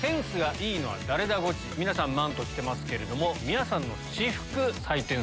皆さんマント着てますけれども皆さんの。